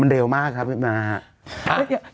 มันเร็วมากครับ